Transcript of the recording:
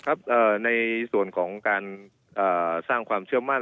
ครับในส่วนของการสร้างความเชื่อมั่น